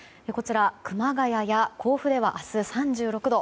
熊谷や甲府では明日３６度。